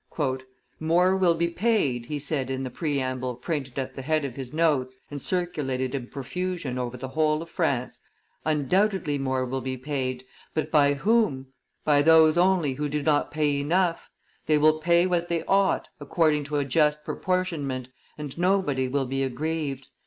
"More will be paid," he said in the preamble printed at the head of his notes and circulated in profusion over the whole of France, "undoubtedly more will be paid, but by whom? ... By those only who do not pay enough; they will pay what they ought, according to a just proportionment, and nobody will be aggrieved.